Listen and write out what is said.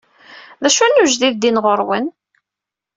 D acu n ujdid din ɣur-wen?